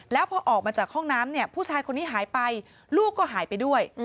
แล้วพอออกมาจากห้องน้ำเนี่ยผู้ชายคนนี้หายไปลูกก็หายไปด้วย